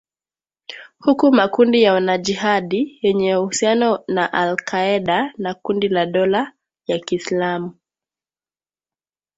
huku makundi ya wanajihadi yenye uhusiano na al kaeda na kundi la dola ya kiislamu